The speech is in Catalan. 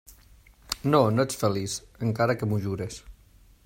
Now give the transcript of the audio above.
No, no ets feliç..., encara que m'ho jures.